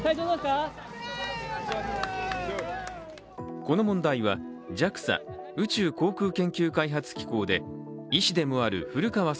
この問題はＪＡＸＡ＝宇宙航空研究開発機構で医師でもある古川聡